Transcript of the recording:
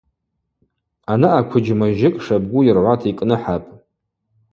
Анаъа квыджьмажьыкӏ шабгу йыргӏвата йкӏныхӏапӏ.